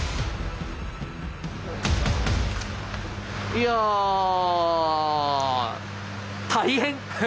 いや大変！